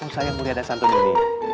usaya mulia dasanto dunia